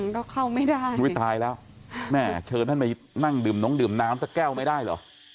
ก็เข้าไม่ได้อุ้ยตายแล้วแม่เชิญท่านมานั่งดื่มนงดื่มน้ำสักแก้วไม่ได้เหรอ